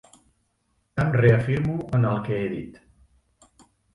Em reafirmo en el que he dit.